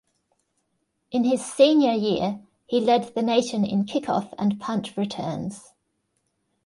In his senior year, he led the nation in kickoff and punt returns.